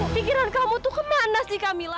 pikiran kamu tuh kemana sih camilla